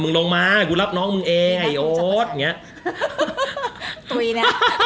มึงลงมากูรับน้องมึงเองไอ้โอ๊ด